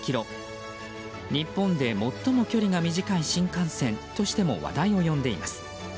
日本で最も距離が短い新幹線としても話題を呼んでいます。